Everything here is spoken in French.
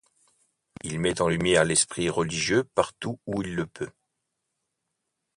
Il met en lumière l’esprit religieux partout où il le peut.